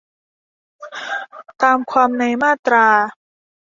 ตามความในมาตรา